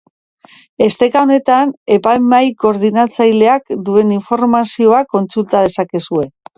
Esteka honetan Epaimahai Koordinatzaileak duen informazioa kontsulta dezakezue.